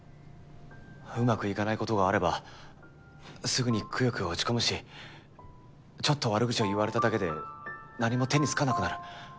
うまくいかない事があればすぐにくよくよ落ち込むしちょっと悪口を言われただけで何も手につかなくなる。